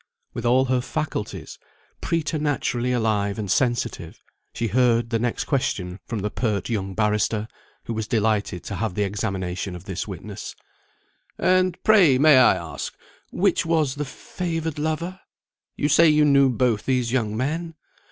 With all her faculties preternaturally alive and sensitive, she heard the next question from the pert young barrister, who was delighted to have the examination of this witness. "And pray, may I ask, which was the favoured lover? You say you knew both these young men.